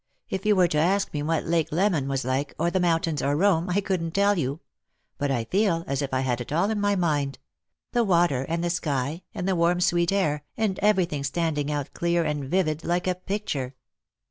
If you were to ask me what Lake Leman was like, or the mountains, or Eome, I couldn't tell you ! but I feel as if I had it all in my mind — the water, and the sky, and the warm sweet air, and everything standing out clear and vivid, like a picture."